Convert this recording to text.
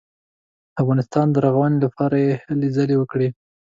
د افغانستان د رغونې لپاره یې هلې ځلې وکړې.